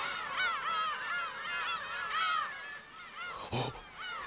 あっ！